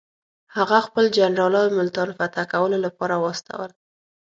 هغه خپل جنرالان ملتان فتح کولو لپاره واستول.